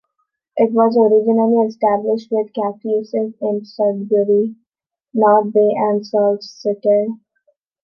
It was originally established with campuses in Sudbury, North Bay and Sault Ste.